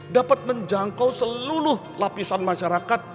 dapat menjangkau seluruh lapisan masyarakat